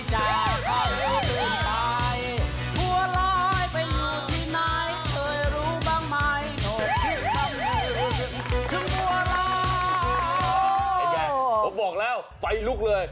เป็นไงผมบอกแล้วไฟลุกเลย